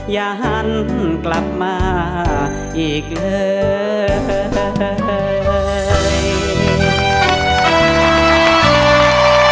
อย่าหันกลับมาอีกเลย